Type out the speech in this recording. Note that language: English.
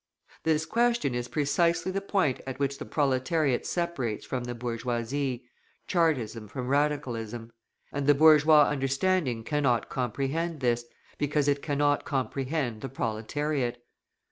This question is precisely the point at which the proletariat separates from the bourgeoisie, Chartism from Radicalism; and the bourgeois understanding cannot comprehend this, because it cannot comprehend the proletariat.